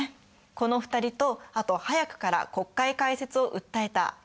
この２人とあと早くから国会開設を訴えた板垣退助